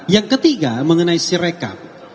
yang ketiga mengenai sirekap